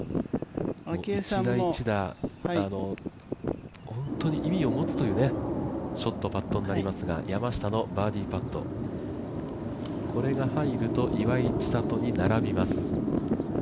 １打１打、本当に意味を持つショット、パットになりますが山下のバーディーパット、これが入ると岩井千怜に並びます。